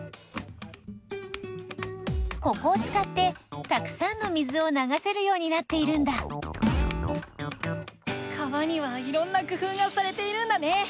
ここをつかってたくさんの水をながせるようになっているんだ川にはいろんな工夫がされているんだね。